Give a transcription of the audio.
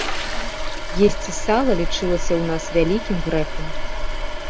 Есці сала лічылася ў нас вялікім грэхам.